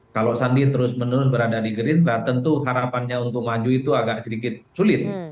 kalau sandi terus menerus berada di gerindra tentu harapannya untuk maju itu agak sedikit sulit